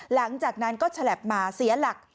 หลังจากนั้นก็ฉลับมาเสียหลัก